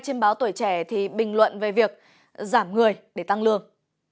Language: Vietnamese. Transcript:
trên báo tuổi trẻ bình luận về việc giảm người để tăng lương